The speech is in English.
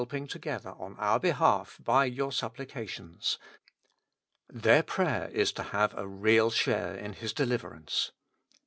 ing together on our behalf by your supplications; '^ their prayer is to have a real share in his deliverance.